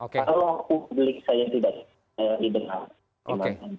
kalau publik saya tidak